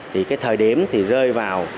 thì cái thời điểm thì rơi vào